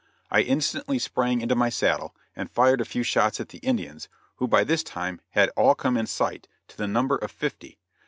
I instantly sprang into my saddle, and fired a few shots at the Indians, who by this time had all come in sight, to the number of fifty.